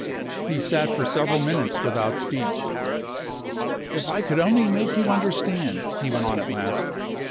He sat for several minutes without speech. "If I could only make you understand!" he went on at last.